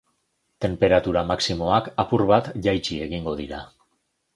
Tenperatura maximoak apur bat jaitsi egingo dira.